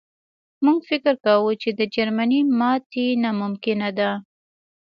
موږ فکر کاوه چې د جرمني ماتې ناممکنه ده